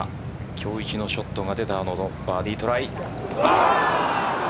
今日一のショットが出た後のバーディートライ。